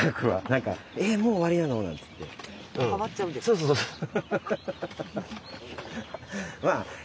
そうそうそうそう。